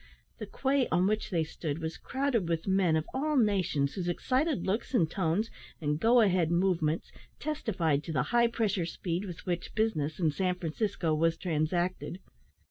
The quay on which they stood was crowded with men of all nations, whose excited looks, and tones, and "go ahead" movements, testified to the high pressure speed with which business in San Francisco was transacted.